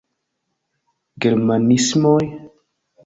Germanismoj?